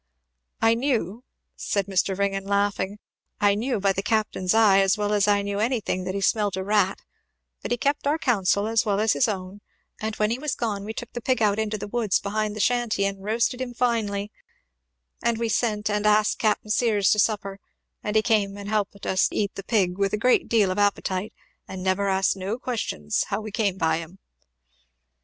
I knew," said Mr. Ringgan laughing, "I knew by the captain's eye as well as I knew anything, that he smelt a rat; but he kept our counsel, as well as his own; and when he was gone we took the pig out into the woods behind the shanty and roasted him finely, and we sent and asked Capt. Sears to supper; and he came and helped us eat the pig with a great deal of appetite, and never asked no questions how we came by him!"